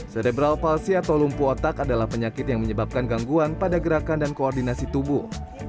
sedebral palsi atau lumpuh otak adalah penyakit yang menyebabkan gangguan pada gerakan dan koordinasi tubuh